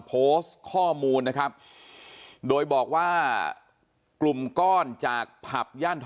โพสต์ข้อมูลนะครับ